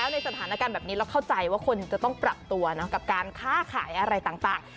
ในสถานการณ์แบบนี้เราเข้าใจว่าคนจะต้องปรับตัวกับการค้าขายอะไรต่าง